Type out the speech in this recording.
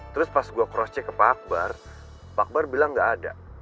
terus pas gue cross check ke pak akbar pak akbar bilang nggak ada